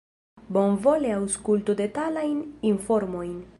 Bonvole aŭskultu detalajn informojn.